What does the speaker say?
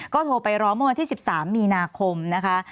ก็โทรไปร้องเมื่อวันที่๑๓มีนาคมนะคะ